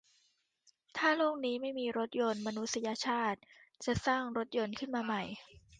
ถ้าโลกนี้ไม่มีรถยนต์ มนุษยชาติจะสร้างรถยนต์ขึ้นมาใหม่